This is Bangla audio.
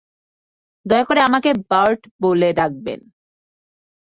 দয়া করে আমাকে বার্ট বলে ডাকবেন।